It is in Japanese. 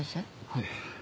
はい。